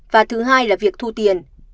và thứ hai là việc thu tiền